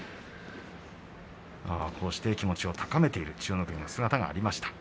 こうして気持ちを高めている千代の国の姿がありました。